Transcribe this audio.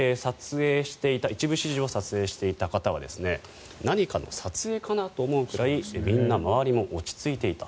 一部始終を撮影していた方は何かの撮影かな？と思うぐらいみんな周りも落ち着いていた